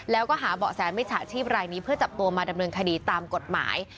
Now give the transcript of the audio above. แล้วก็หาเบาะแสมิจฉาชีพรายนี้เพื่อจับตัวมาดำเนินคดีตามกฎหมาย